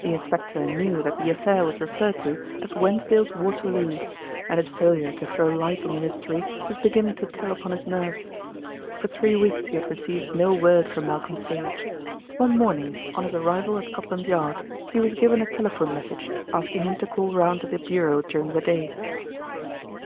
The inspector knew that the affair was referred to as "Wensdale's Waterloo," and his failure to throw light on the mystery was beginning to tell upon his nerves. For three weeks he had received no word from Malcolm Sage. One morning on his arrival at Scotland Yard he was given a telephone message asking him to call round at the Bureau during the day.